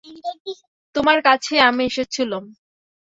তোমার কাছেই আমি এসেছিলুম।